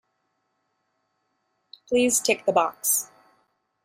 Please tick the box